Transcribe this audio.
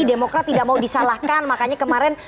demokrat tidak mau disalahkan makanya kemarin